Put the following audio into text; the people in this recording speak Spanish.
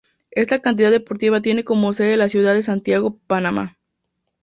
Esta entidad deportiva tiene como sede la ciudad de Santiago, Panamá.